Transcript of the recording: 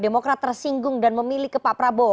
demokrat tersinggung dan memilih ke pak prabowo